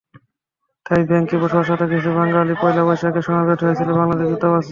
তাই ব্যাংককে বসবাসরত কিছু বাঙালি পয়লা বৈশাখে সমবেত হয়েছিলাম বাংলাদেশ দূতাবাসে।